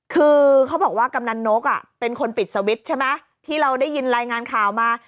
คือเขาบอกว่ากำนันนกเป็นคนปิดสวิตช์ใช่ไหมที่เราได้ยินรายงานข่าวมา